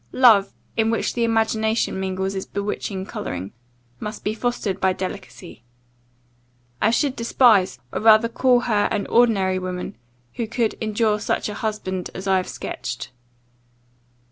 Love, in which the imagination mingles its bewitching colouring, must be fostered by delicacy. I should despise, or rather call her an ordinary woman, who could endure such a husband as I have sketched.